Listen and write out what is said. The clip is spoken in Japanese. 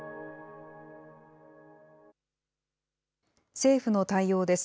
政府の対応です。